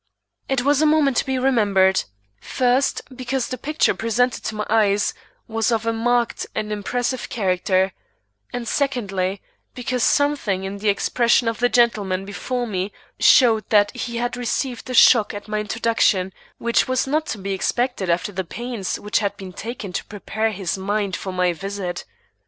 It was a moment to be remembered: first, because the picture presented to my eyes was of a marked and impressive character; and secondly, because something in the expression of the gentleman before me showed that he had received a shock at my introduction which was not to be expected after the pains which had been taken to prepare his mind for my visit.